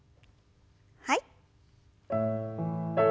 はい。